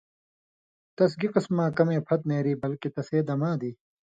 تس گی قسماں کمے پھت نېری بلکہ تسے دما دی۔